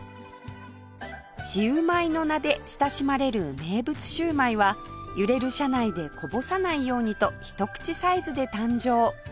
「シウマイ」の名で親しまれる名物シウマイは揺れる車内でこぼさないようにと一口サイズで誕生